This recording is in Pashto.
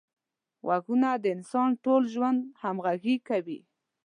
غوږونه د انسان ټول ژوند همغږي کوي